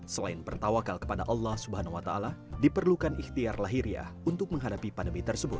selain bertawakal kepada allah swt diperlukan ikhtiar lahiriah untuk menghadapi pandemi tersebut